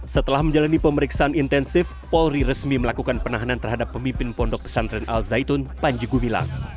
setelah menjalani pemeriksaan intensif polri resmi melakukan penahanan terhadap pemimpin pondok pesantren al zaitun panji gumilang